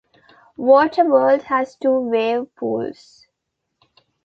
Water World has two wave pools.